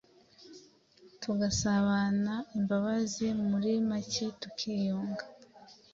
tugasabana imbabazi muri make tukiyunga”.